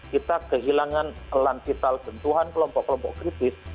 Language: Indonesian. kita kehilangan lantital tentuan kelompok kelompok kritis